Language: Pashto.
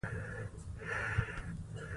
ازادي راډیو د بهرنۍ اړیکې د تحول لړۍ تعقیب کړې.